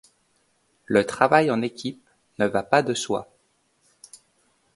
Le travail en équipe ne va pas de soi.